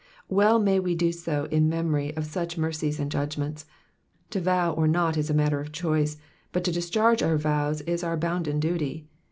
"'' Well may we do so in memory of such mercies and judgments. To vow or not is a matter of choice, but to discharge our vows is our bounden duty.